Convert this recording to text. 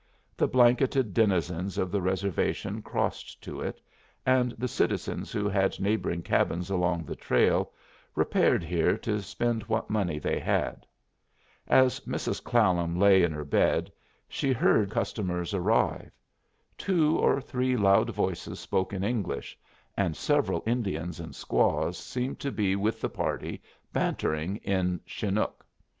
The blanketed denizens of the reservation crossed to it, and the citizens who had neighboring cabins along the trail repaired here to spend what money they had. As Mrs. Clallam lay in her bed she heard customers arrive. Two or three loud voices spoke in English, and several Indians and squaws seemed to be with the party, bantering in Chinook.